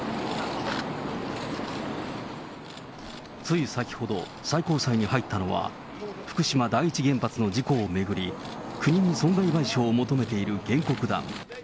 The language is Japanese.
つい先ほど、最高裁に入ったのは、福島第一原発の事故を巡り、国に損害賠償を求めている原告団。